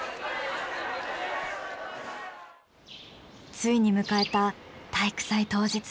ついに迎えた体育祭当日。